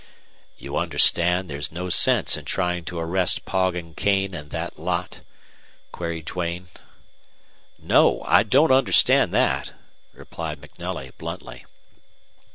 "You understand there's no sense in trying to arrest Poggin, Kane, and that lot?" queried Duane. "No, I don't understand that," replied MacNelly, bluntly.